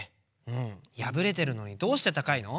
うんやぶれてるのにどうしてたかいの？